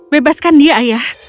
bebaskan dia ayah